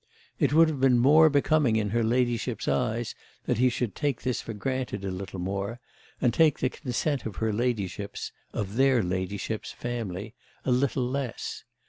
It would have been more becoming in her ladyship's eyes that he should take this for granted a little more and take the consent of her ladyship's—of their ladyships'—family a little less.